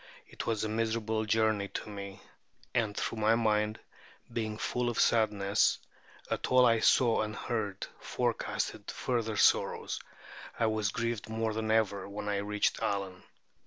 It was a miserable journey to me; and though my mind, being full of sadness at all I saw and heard, forecasted further sorrows, I was grieved more than ever when I reached Allen.